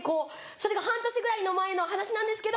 それが半年ぐらいの前の話なんですけど。